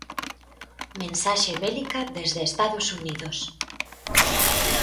Mensaxe bélica desde Estados Unidos.